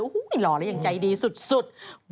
อู้หู้เหวอะห่อย่างใจดีสุด